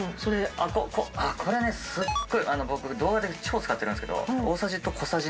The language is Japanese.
あぁこれねすっごい僕動画で超使ってるんですけど。